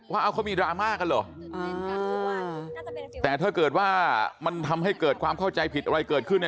ว่าเอาเขามีดราม่ากันเหรอแต่ถ้าเกิดว่ามันทำให้เกิดความเข้าใจผิดอะไรเกิดขึ้น